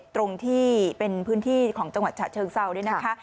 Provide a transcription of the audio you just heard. ตรงที่เป็นพื้นที่ของจังหวัดฉะเชิงเซาเนี่ยนะคะ